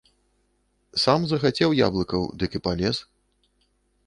Сам захацеў яблыкаў, дык і палез!